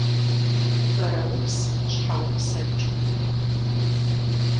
Бэрэупс щхьэ упсэкӏ!